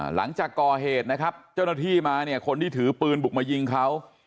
หลังจากก่อเหตุนะครับเจ้าหน้าที่มาเนี่ยคนที่ถือปืนบุกมายิงเขา